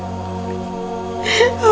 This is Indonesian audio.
jadi benar pak